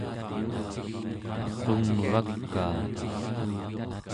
qungvakaa